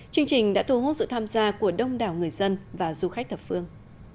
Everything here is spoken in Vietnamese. chương trình đã thu hút sự tham gia của đông đảo người dân và du khách thập phương